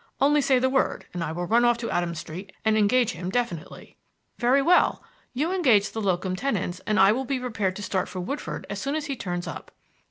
Only say the word, and I will run off to Adam Street and engage him definitely." "Very well. You engage the locum tenens, and I will be prepared to start for Woodford as soon as he turns up."